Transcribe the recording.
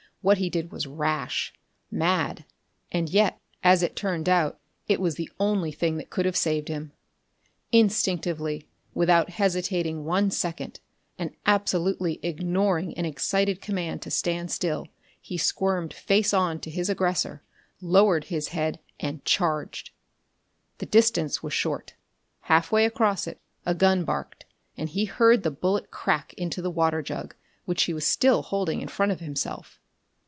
What he did was rash; mad; and yet, as it turned out, it was the only thing that could have saved him. Instinctively, without hesitating one second, and absolutely ignoring an excited command to stand still, he squirmed face on to his aggressor, lowered his head and charged. The distance was short. Halfway across it, a gun barked, and he heard the bullet crack into the water jug, which he was still holding in front of himself.